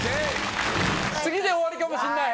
次で終わりかもしんない。